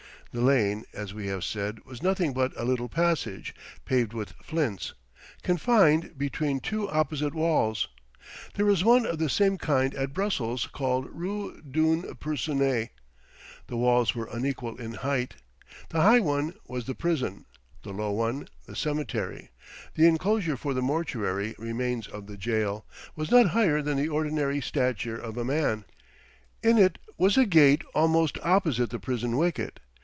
The lane, as we have said, was nothing but a little passage, paved with flints, confined between two opposite walls. There is one of the same kind at Brussels called Rue d'une Personne. The walls were unequal in height. The high one was the prison; the low one, the cemetery the enclosure for the mortuary remains of the jail was not higher than the ordinary stature of a man. In it was a gate almost opposite the prison wicket.